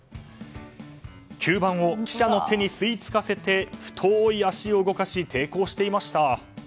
吸盤を記者の手に吸い付かせて太い足を動かし抵抗していました。